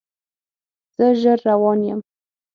زه ژر روان یم